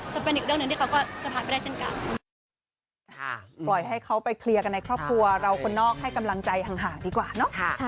จะเป็นอีกเรื่องหนึ่งที่เขาก็จะพัดไปได้เช่นกัน